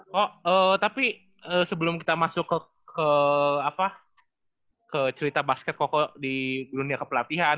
kok tapi sebelum kita masuk ke cerita basket koko di dunia kepelatihan